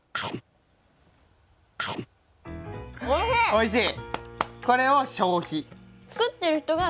おいしい。